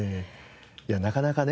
いやなかなかね